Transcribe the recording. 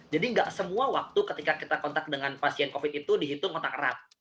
jadi nggak semua waktu ketika kita kontak dengan pasien covid itu dihitung kontak erat